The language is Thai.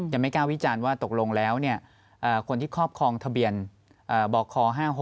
ยังไม่กล้าวิจารณ์ว่าตกลงแล้วคนที่ครอบครองทะเบียนบค๕๖